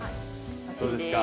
どうですか？